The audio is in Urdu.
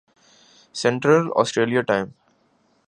central Australia time